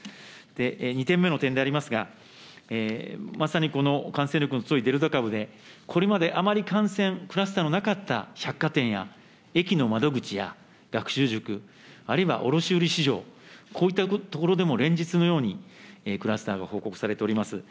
２点目の点でありますが、まさにこの感染力の強いデルタ株で、これまであまり感染クラスターのなかった百貨店や駅の窓口や学習塾、あるいは卸売市場、こういった所でも、連日のように、クラスターが報告されております。